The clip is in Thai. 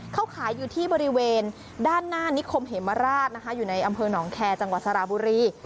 เขาขายอยู่ที่บริเวณด้านหน้านิคมเหมราชนะคะอยู่ในอำเภอหนองแคร์จังหวัดสระบุรี